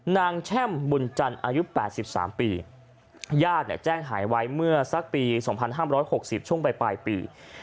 แช่มบุญจันทร์อายุ๘๓ปีญาติแจ้งหายไว้เมื่อสักปี๒๕๖๐ช่วงปลายปี